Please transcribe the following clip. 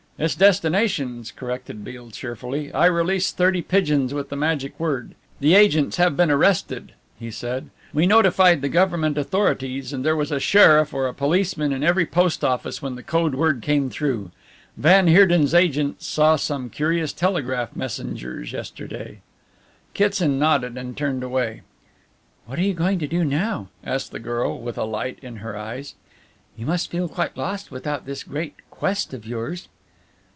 "Its destinations," corrected Beale cheerfully. "I released thirty pigeons with the magic word. The agents have been arrested," he said; "we notified the Government authorities, and there was a sheriff or a policeman in every post office when the code word came through van Heerden's agents saw some curious telegraph messengers yesterday." Kitson nodded and turned away. "What are you going to do now?" asked the girl, with a light in her eyes. "You must feel quite lost without this great quest of yours."